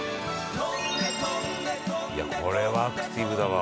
「いやこれはアクティブだわ」